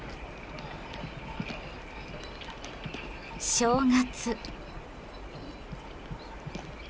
正月。